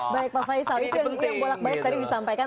baik pak faisal itu yang bolak balik tadi disampaikan